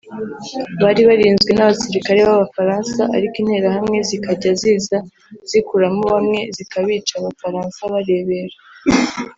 Bari barinzwe n’abasirikare b’Abafaransa ariko Interahamwe zikajya ziza zikuramo bamwe zikabica Abafaransa barebera